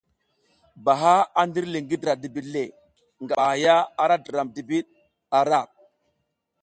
Ba a ndir li ngi dra dibiɗ le, ngaba hay gar ara dra dibiɗ ara.